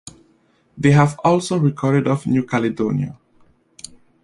They have also recorded off New Caledonia.